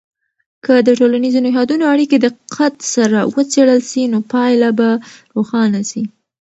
که د ټولنیزو نهادونو اړیکې دقت سره وڅیړل سي، نو پایله به روښانه سي.